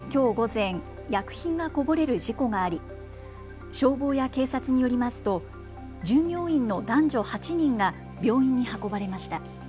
東京青梅市の工場できょう午前、薬品がこぼれる事故があり消防や警察によりますと従業員の男女８人が病院に運ばれました。